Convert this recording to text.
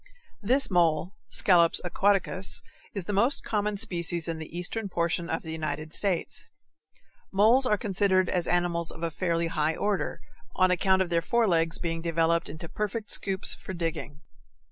This mole (Scalops aquaticus) is the most common species in the eastern portion of the United States. Moles are considered as animals of a fairly high order, on account of their forelegs' being developed into perfect scoops for digging.